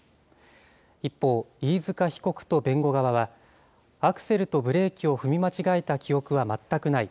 一方、飯塚被告と弁護側は、アクセルとブレーキを踏み間違えた記憶は全くない。